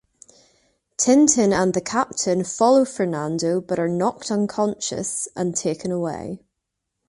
Tintin and the Captain follow Fernando but are knocked unconscious and taken away.